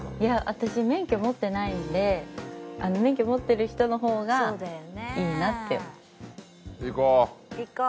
私免許持ってないんで免許持ってる人の方がいいなって思う。